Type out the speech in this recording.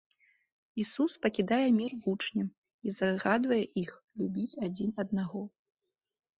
Ісус пакідае мір вучням і загадвае іх любіць адзін аднаго.